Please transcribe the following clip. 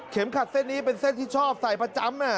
ขัดเส้นนี้เป็นเส้นที่ชอบใส่ประจำ